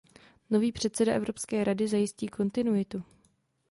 Nový předseda Evropské rady zajistí kontinuitu.